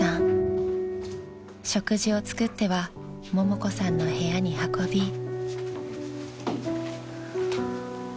［食事を作ってはももこさんの部屋に運び］